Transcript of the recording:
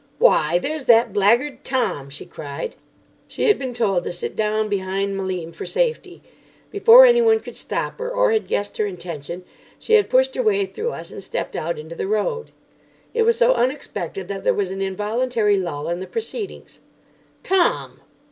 "Why, there's that blackguard Tom!" she cried. She had been told to sit down behind Malim for safety. Before anyone could stop her, or had guessed her intention, she had pushed her way through us and stepped out into the road. It was so unexpected that there was an involuntary lull in the proceedings. "Tom!"